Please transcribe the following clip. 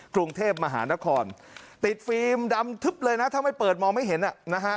กรุงเทพมหานครติดฟิล์มดำทึบเลยนะถ้าไม่เปิดมองไม่เห็นอ่ะนะฮะ